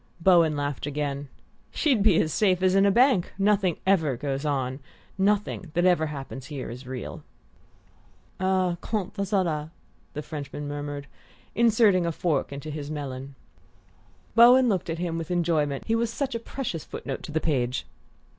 Bowen laughed again. "She'd be as safe as in a bank! Nothing ever goes on! Nothing that ever happens here is real." "Ah, quant à cela " the Frenchman murmured, inserting a fork into his melon. Bowen looked at him with enjoyment he was such a precious foot note to the page!